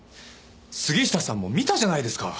杉下さんも見たじゃないですか。